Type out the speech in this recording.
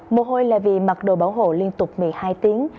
mồ hôi là vì mặc đồ bảo hộ liên tục một mươi hai tiếng